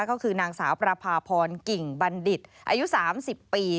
ก็คือนางสาวประพาพรกิ่งบัณฑิตอายุ๓๐ปี